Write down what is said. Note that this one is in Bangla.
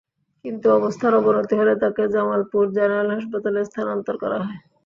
কিন্তু অবস্থার অবনতি হলে তাঁকে জামালপুর জেনারেল হাসপাতালে স্থানান্তর করা হয়।